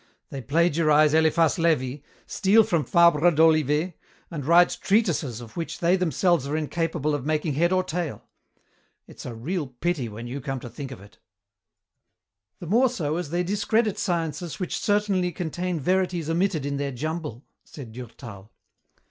They plagiarize Eliphas Levi, steal from Fabre d'Olivet, and write treatises of which they themselves are incapable of making head or tail. It's a real pity, when you come to think of it." "The more so as they discredit sciences which certainly contain verities omitted in their jumble," said Durtal.